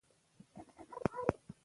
ناروغ د درملنې وروسته ورو ورو روغ رمټ شو